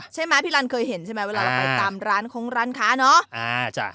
ใช่ไหมพี่ลันเคยเห็นใช่ไหมเวลาเราไปตามร้านคงร้านค้าเนอะ